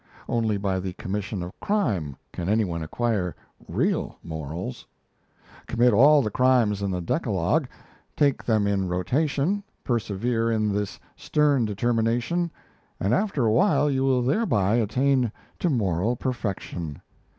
Only by the commission of crime can anyone acquire real morals. Commit all the crimes in the decalogue, take them in rotation, persevere in this stern determination and after awhile you will thereby attain to moral perfection!